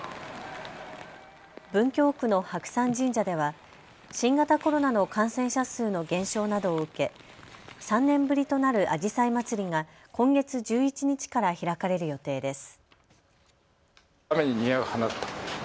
文京区の白山神社では新型コロナの感染者数の減少などを受け３年ぶりとなるあじさいまつりが今月１１日から開かれる予定です。